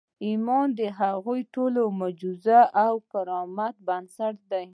ایمان د هغو ټولو معجزو او کراماتو بنسټ دی